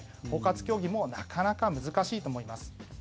包括協議もなかなか難しいと思います。